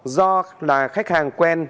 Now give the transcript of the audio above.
do là khách hàng quen